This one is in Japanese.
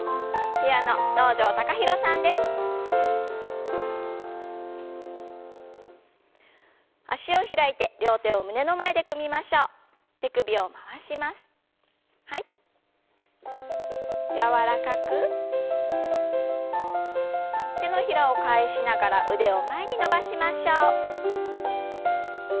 手のひらを返しながら腕を前に伸ばしましょう。